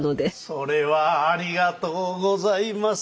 それはありがとうございます。